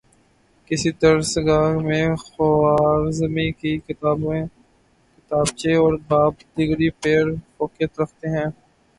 کسی درسگاہ میں خوارزمی کی کتابیں کتابچے اور باب ڈگری پر فوقیت رکھتے ہیں